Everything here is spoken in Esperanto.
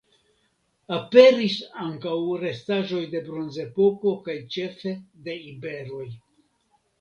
Aperis ankaŭ restaĵoj de Bronzepoko kaj ĉefe de iberoj.